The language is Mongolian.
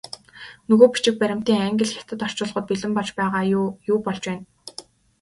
Нөгөө бичиг баримтын англи, хятад орчуулгууд бэлэн болж байгаа юу, юу болж байна?